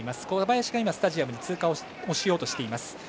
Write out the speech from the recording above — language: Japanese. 小林がスタジアムを通過しようとしています。